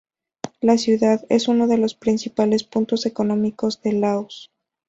La ciudad, es uno de los principales puntos económicos de Laos.